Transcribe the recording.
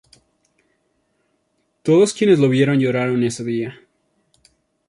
Todos quienes lo vieron lloraron ese día.